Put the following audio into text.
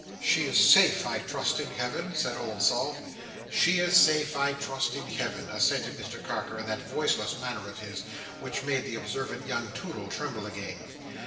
"She is safe, I trust in Heaven!" said old Sol. "She is safe, I trust in Heaven!" assented Mr Carker in that voiceless manner of his: which made the observant young Toodle tremble again.